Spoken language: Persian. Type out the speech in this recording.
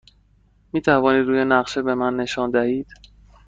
می توانید روی نقشه به من نشان دهید؟